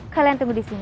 kalian tunggu di sini ya